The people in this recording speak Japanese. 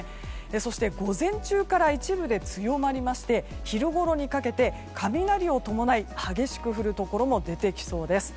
そして、午前中から一部で強まりまして昼ごろにかけて雷を伴い激しく降るところも出てきそうです。